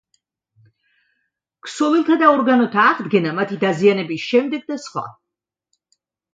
ქსოვილთა და ორგანოთა აღდგენა მათი დაზიანების შემდეგ და სხვა.